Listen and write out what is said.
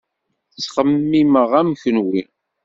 Ur ttxemmimeɣ am kunwi.